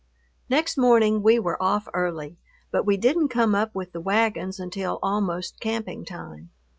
Next morning we were off early, but we didn't come up with the wagons until almost camping time.